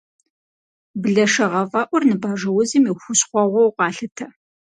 Блэшэгъэфӏэӏур ныбажэузым и хущхъуэгъуэу къалъытэ.